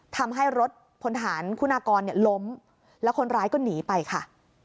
ทำให้รถพลฐานคุณากรล้มแล้วคนร้ายก็หนีไปค่ะ